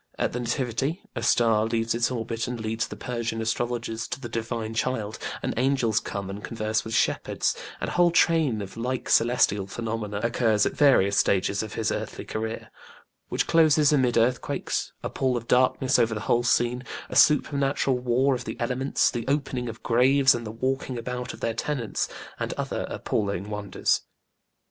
At the nativity a star leaves its orbit and leads the Persian astrologers to the divine child, and angels come and converse with shepherds, and a whole train of like celestial phenomena occurs at various stages of his earthly career, which closes amid earthquakes, a pall of darkness over the whole scene, a supernatural war of the elements, the opening of graves and the walking about of their tenants, and other appalling wonders.